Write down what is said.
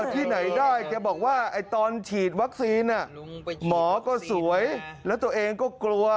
ที่ไหนได้แกบอกว่าตอนฉีดวัคซีนหมอก็สวยแล้วตัวเองก็กลัว